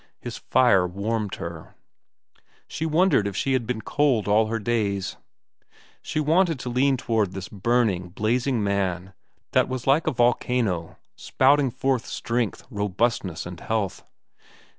His fire warmed her. She wondered if she had been cold all her days. She wanted to lean toward this burning, blazing man that was like a volcano spouting forth strength, robustness, and health.